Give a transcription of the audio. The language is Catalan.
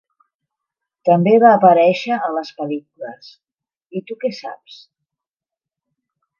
També va aparèixer a les pel·lícules I tu, què saps?